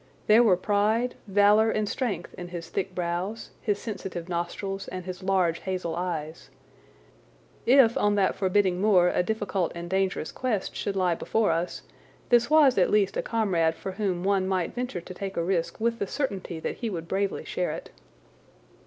There were pride, valour, and strength in his thick brows, his sensitive nostrils, and his large hazel eyes. If on that forbidding moor a difficult and dangerous quest should lie before us, this was at least a comrade for whom one might venture to take a risk with the certainty that he would bravely share it.